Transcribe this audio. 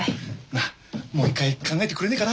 なあもう一回考えてくれねえかな？